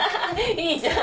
いいじゃん。